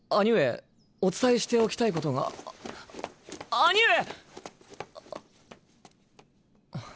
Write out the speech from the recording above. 兄上！